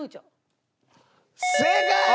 正解！